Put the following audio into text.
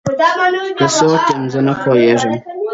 جلانه ! چې تاوده مې شي هډونه د وجود